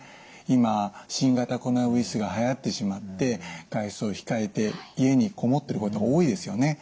今新型コロナウイルスがはやってしまって外出を控えて家にこもってることが多いですよね。